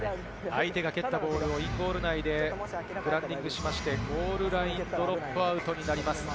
相手が蹴ったボールをインゴール内でグラウンディングしまして、ゴールラインドロップアウトになります。